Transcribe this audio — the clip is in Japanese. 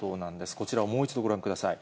こちらをもう一度ご覧ください。